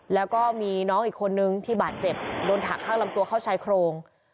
แล้วก็มีน้องอีกคนนึงที่บาดเจ็บโดนถักข้างลำตัวเข้าชายโครง